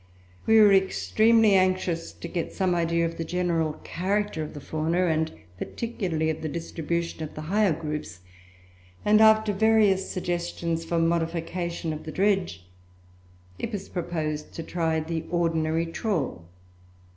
We were extremely anxious to get some idea of the general character of the Fauna, and particularly of the distribution of the higher groups; and after various suggestions for modification of the dredge, it was proposed to try the ordinary trawl.